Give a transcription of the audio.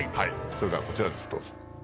それではこちらですどうぞ。